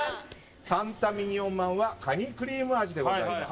サンタ・ミニオンまんはカニクリーム味です。